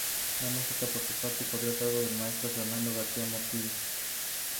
La música, por su parte, corrió a cargo del maestro Fernando García Morcillo.